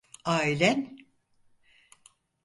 Ailen.